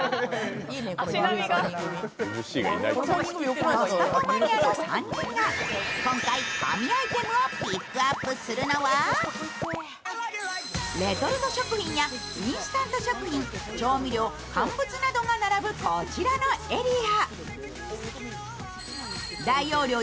コストコマニアの３人が今回神アイテムをピックアップするのは、レトルト食品やインスタント食品、調味料、乾物などが並ぶこちらのエリア。